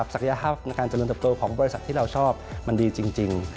ศักยภาพในการเจริญเติบโตของบริษัทที่เราชอบมันดีจริง